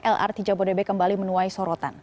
lrt jabodebek kembali menuai sorotan